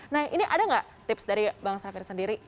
nah ini ada nggak tips dari bang safir sendiri